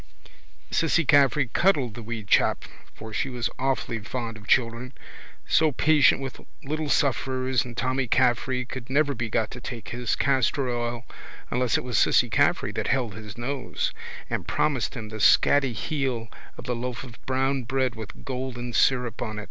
Cissy Caffrey cuddled the wee chap for she was awfully fond of children, so patient with little sufferers and Tommy Caffrey could never be got to take his castor oil unless it was Cissy Caffrey that held his nose and promised him the scatty heel of the loaf or brown bread with golden syrup on.